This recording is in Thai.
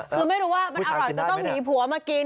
คือไม่รู้ว่ามันอร่อยจะต้องหนีผัวมากิน